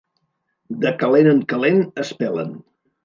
De calent en calent es pelen.